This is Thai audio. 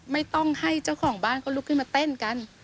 ไม่ต้องให้เจ้าของบ้านเขาลุกขึ้นมาเต้นกัน